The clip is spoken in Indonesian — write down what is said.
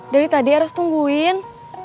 dari tadi eros tungguin